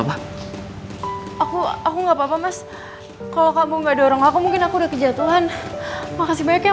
aku aku nggak apa apa mas kalau kamu nggak dorong aku mungkin aku udah kejatuhan makasih banyak ya